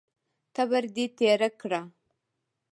تبر دې تېره کړه!